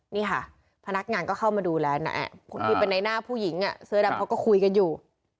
นี่ค่ะพนักงานก็เข้ามาดูแลนะที่เป็นในหน้าผู้หญิงเสื้อดำเขาก็คุยกันอยู่